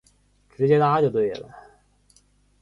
直接搭就对了